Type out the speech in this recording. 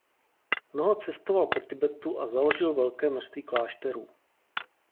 Mnoho cestoval po Tibetu a založil velké množství klášterů.